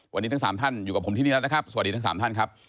วันนี้ทั้ง๓ท่านอยู่กับผมที่นี่แล้วนะครับสวัสดีทั้ง๓ท่านครับ